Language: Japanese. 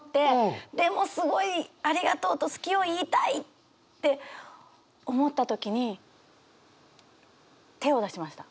でもすごい「ありがとう」と「好き」を言いたいって思った時に手を出しました。